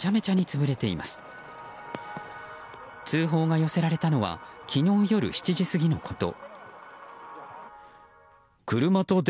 通報が寄せられたのは昨日夜７時過ぎのこと。